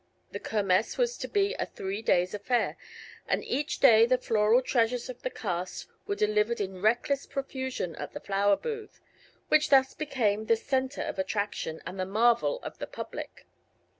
The Kermess was to be a three days' affair, and each day the floral treasures of the cast were delivered in reckless profusion at the flower booth, which thus became the center of attraction and the marvel of the public.